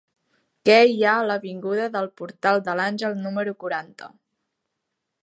Què hi ha a l'avinguda del Portal de l'Àngel número quaranta?